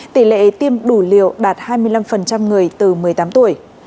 tỷ lệ tiêm đủ liều đạt hai mươi năm người từ một mươi tám tuổi